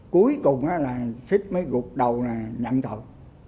cuối cùng là sít mới gục đầu là nhận thật